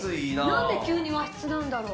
なんで急に和室なんだろう？